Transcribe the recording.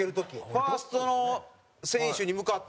ファーストの選手に向かって。